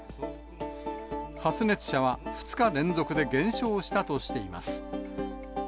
発熱者は２日連続で減少したとしています。